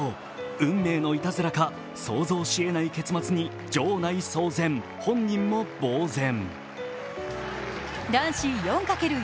運命のいたずらか、想像しえない結末に場内騒然、本人も呆然。